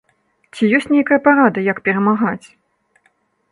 Ці ёсць нейкая парада, як перамагаць?